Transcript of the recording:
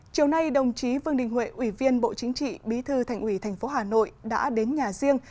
chiều nay đồng chí vương đình huệ ủy viên bộ chính trị bí thư thành ủy tp hà nội đã đến nhà riêng